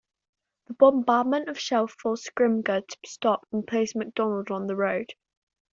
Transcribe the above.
The bombardment of shell forced Scrimger to stop and place Macdonald on the road.